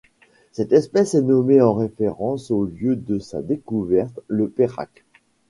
Cette espèce est nommée en référence au lieu de sa découverte, le Perak.